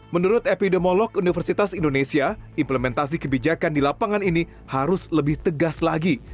menurut epidemiolog universitas indonesia implementasi kebijakan di lapangan ini harus lebih tegas lagi